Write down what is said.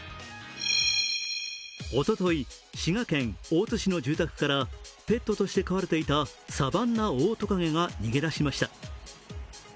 おととい、滋賀県大津市の住宅からペットとして飼われていたサバンナオオトカゲが逃げ出しました。